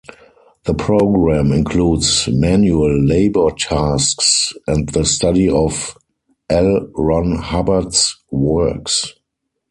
The program includes manual labor tasks and the study of L. Ron Hubbard's works.